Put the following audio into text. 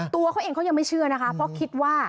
ตัวเขาเองเขายังไม่เชื่อนะคะเพราะคิดว่า